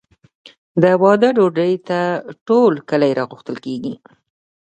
د واده ډوډۍ ته ټول کلی راغوښتل کیږي.